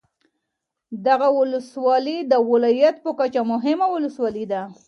دغه ولسوالي د ولایت په کچه مهمه ولسوالي ده